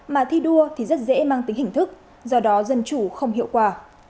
mà thi đua thì rất dễ mang tính hình thức do đó dân chủ không hiệu quả